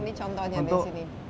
ini contohnya disini